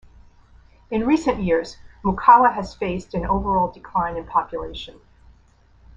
In recent years, Mukawa has faced an overall decline in population.